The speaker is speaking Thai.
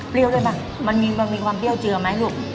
เปรี้ยวเลยมันมีความเปรี้ยวเจียวไหมลูก